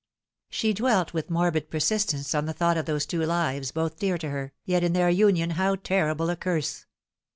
She dwelt with morbid persistence on the thought of those two lives, both dear to her, yet in their union how terrible a curse